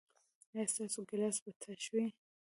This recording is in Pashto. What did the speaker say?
ایا ستاسو ګیلاس به تش وي؟